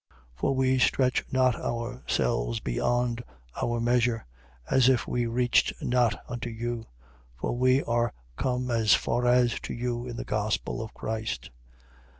10:14. For we stretch not ourselves beyond our measure, as if we reached not unto you. For we are come as far as to you in the Gospel of Christ.